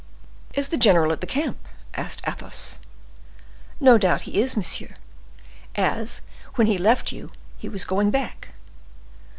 "Is the general at the camp?" asked Athos. "No doubt he is, monsieur; as when he left you he was going back."